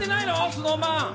ＳｎｏｗＭａｎ。